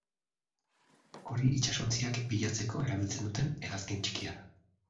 Hori itsasontziak bilatzeko erabiltzen duten hegazkin txikia da.